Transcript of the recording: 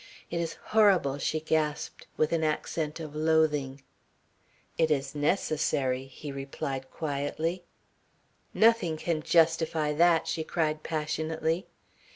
"It is horrible," she gasped with an accent of loathing. "It is necessary," he replied quietly. "Nothing can justify that," she cried passionately.